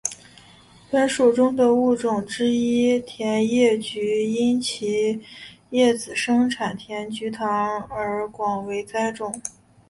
本属中的物种之一甜叶菊因其叶子生产甜菊糖而广为栽种。